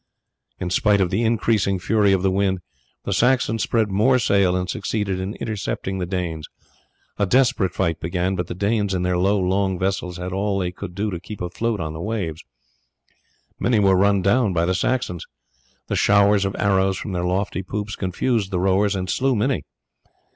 In spite of the increasing fury of the wind the Saxons spread more sail and succeeded in intercepting the Danes. A desperate fight began, but the Danes in their low, long vessels had all they could do to keep afloat on the waves. Many were run down by the Saxons. The showers of arrows from their lofty poops confused the rowers and slew many.